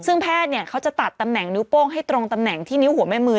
ซึ่งแพทย์เนี่ยเขาจะตัดตำแหน่งนิ้วโป้งให้ตรงตำแหน่งที่นิ้วหัวแม่มือ